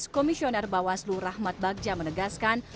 komisioner bawaslu rahmat bagja menegaskan